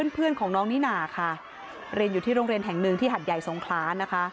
เพื่อนของน้องนิน่าค่ะเรียนอยู่ที่โรงเรียนแห่งหนึ่งที่หัดใหญ่สงคลานะคะ